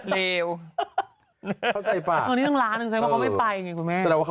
เลวตอนนี้ต้องล้านหนึ่งใส่ว่าเขาไม่ไปไงคุณแม่